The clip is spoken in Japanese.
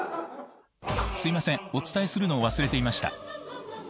すいませんお伝えするのを忘れていました。